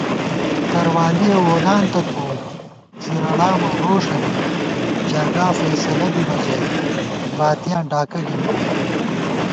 تروالِیَہ وولانتہ تھوووم، زِرَڑامہ روݭہ بی جرگافَیصلہ بِبہ ژَئی ، باتِیاں ڈاکہ گېنٹُوم